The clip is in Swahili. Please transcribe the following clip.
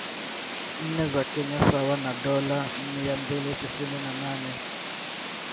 nne za Kenya sawa na dola mia mbili tisini na nane